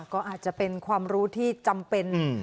ก็อาจจะเป็นความรู้ที่จำเป็น